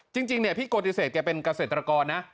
จริงพี่โกติเศษแกเป็นเกษตรกรนะ